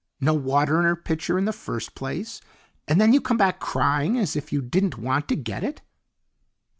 No water in her pitcher in the first place, and then you come back crying as if you didn't want to get it."